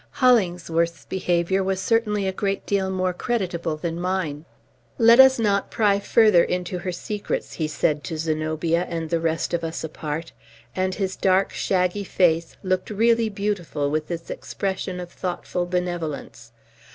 Hollingsworth's behavior was certainly a great deal more creditable than mine. "Let us not pry further into her secrets," he said to Zenobia and the rest of us, apart; and his dark, shaggy face looked really beautiful with its expression of thoughtful benevolence.